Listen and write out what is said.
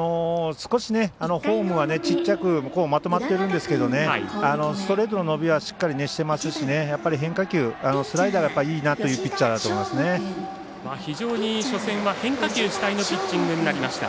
少しフォームは小さくまとまってるんですけどストレートの伸びはしっかりしていますし、変化球スライダーがいいなというピッチャーだと思います。